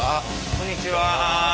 こんにちは。